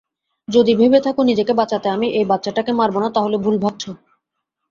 যদি ভেবে থাকো নিজেকে বাঁচাতে আমি এই বাচ্চাটাকে মারব না, তাহলে ভুল ভাবছ।